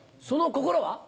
その心は？